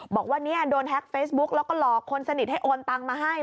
บอกว่าเนี่ยโดนแฮ็กเฟซบุ๊กแล้วก็หลอกคนสนิทให้โอนตังมาให้